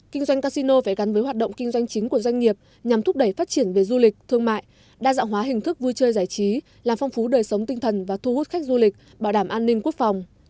kinh doanh casino phải gắn với hoạt động kinh doanh chính của doanh nghiệp nhằm thúc đẩy phát triển về du lịch thương mại đa dạng hóa hình thức vui chơi giải trí làm phong phú đời sống tinh thần và thu hút khách du lịch bảo đảm an ninh quốc phòng